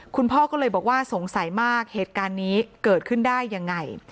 คุณพ่อก็เลยบอกว่าสงสัยมากเหตุการณ์นี้เกิดขึ้นได้ยังไง